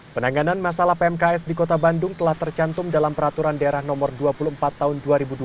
penanganan masalah pmks di kota bandung telah tercantum dalam peraturan daerah no dua puluh empat tahun dua ribu dua puluh